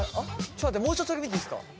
もうちょっとだけ見ていいすか？